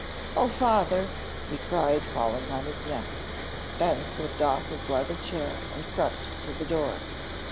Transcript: "Oh, Father!" he cried, falling on his neck. Ben slipped off his leather chair and crept to the door.